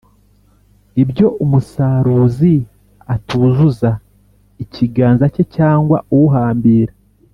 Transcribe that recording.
Ibyo umusaruziatuzuza ikiganzacye cyangwa uhambira